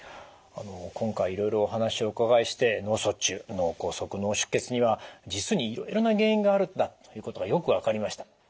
今回いろいろお話をお伺いして脳卒中脳梗塞脳出血には実にいろいろな原因があるんだということがよく分かりました。